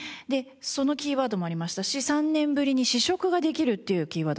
そのキーワードもありましたし３年ぶりに試食ができるっていうキーワードもありました。